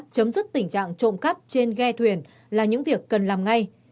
chấm dứt tình trạng trộm cắp trên ghe thuyền là những việc cần làm ngay